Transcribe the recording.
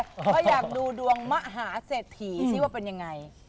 แต่อยากดูดวงมหาเสถียนสิว่าเป็นอะไร